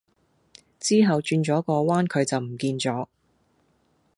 之後轉左個彎佢就唔見左